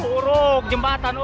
uruk jembatan uruk